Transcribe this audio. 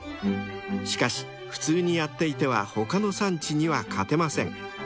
［しかし普通にやっていては他の産地には勝てません］